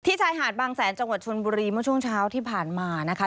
ชายหาดบางแสนจังหวัดชนบุรีเมื่อช่วงเช้าที่ผ่านมานะคะ